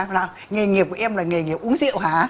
bảo là nghề nghiệp của em là nghề nghiệp uống rượu hả